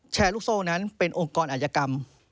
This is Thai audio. แชร์ลูกโซ่นั้นเป็นองค์กรอัยกรรม